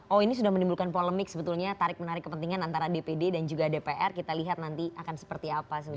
oh ini sudah menimbulkan polemik sebetulnya tarik menarik kepentingan antara dpd dan juga dpr kita lihat nanti akan seperti apa sebenarnya